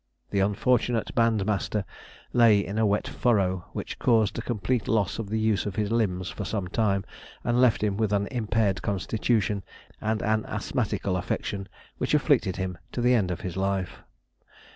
The unfortunate bandmaster lay in a wet furrow, which caused a complete loss of the use of his limbs for some time, and left him with an impaired constitution and an asthmatical affection which afflicted him to the end of his life.